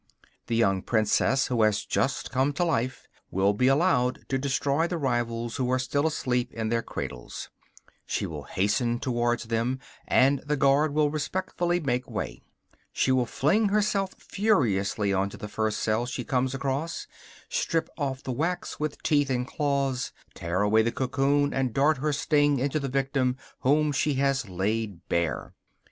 The young princess, who has just come to life, will be allowed to destroy the rivals who are still asleep in their cradles. She will hasten towards them, and the guard will respectfully make way. She will fling herself furiously on to the first cell she comes across, strip off the wax with teeth and claws, tear away the cocoon and dart her sting into the victim whom she has laid bare.